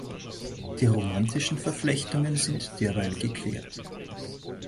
Die romantischen Verflechtungen sind derweil geklärt.